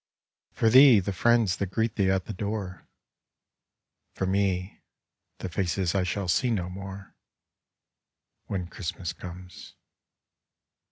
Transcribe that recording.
For thee, the friends that greet thee at the door, For me, the faces I shall see no more, When Christmas comes.